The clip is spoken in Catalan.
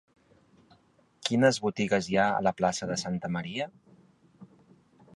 Quines botigues hi ha a la plaça de Santa Maria?